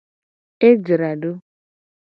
E jra do.